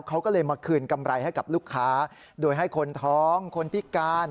เขาก็เลยมาคืนกำไรให้กับลูกค้าโดยให้คนท้องคนพิการ